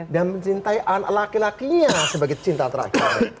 dan mencintai anak laki lakinya sebagai cinta terakhir